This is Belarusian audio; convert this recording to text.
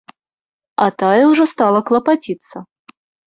А тая ўжо стала клапаціцца.